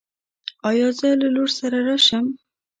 ایا زه له لور سره راشم؟